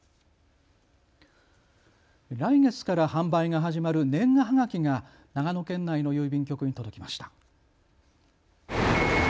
来月から販売が始まる年賀はがきが長野県内の郵便局に届きました。